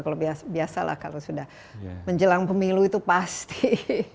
kalau biasa lah kalau sudah menjelang pemilu itu pasti